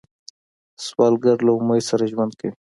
سوالګر له امید سره ژوند کوي